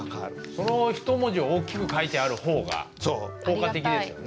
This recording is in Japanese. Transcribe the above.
その一文字を大きく書いてある方が効果的ですよね。